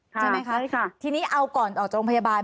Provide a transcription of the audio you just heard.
ใช่ไหมคะใช่ค่ะทีนี้เอาก่อนออกจากโรงพยาบาล